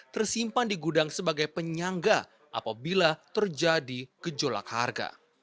tersimpan di gudang sebagai penyangga apabila terjadi gejolak harga